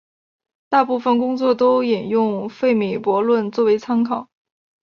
大部分工作都引用费米悖论作为参考。